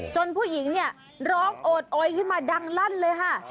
ผู้หญิงเนี่ยร้องโอดโอยขึ้นมาดังลั่นเลยค่ะ